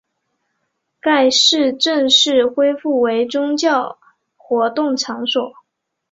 该寺正式恢复为宗教活动场所。